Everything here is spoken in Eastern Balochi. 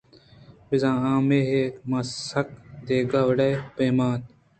بزاں آ میئے ما سک دگہ وڑءُ پیما اِنت